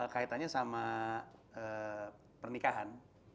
kaitannya sama pernikahan